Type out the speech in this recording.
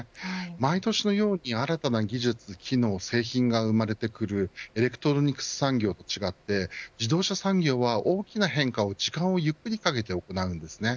毎年のように新たな技術、機能、製品が生まれてくるエレクトロニクス産業と違って自動車産業は大きな変化を時間をかけてゆっくり行います。